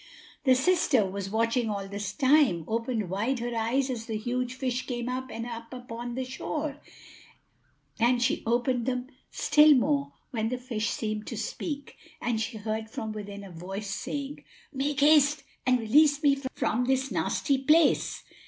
The sister, who was watching all this time, opened wide her eyes as the huge fish came up and up upon the shore; and she opened them still more when the fish seemed to speak, and she heard from within a voice, saying, "Make haste and release me from this nasty place."